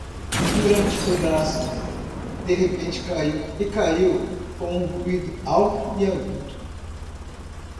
Um grande pedaço de repente caiu e caiu com um ruído alto e agudo.